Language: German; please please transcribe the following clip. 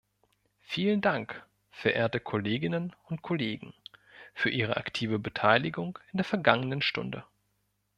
Vielen Dank, verehrte Kolleginnen und Kollegen, für Ihre aktive Beteiligung in der vergangenen Stunde.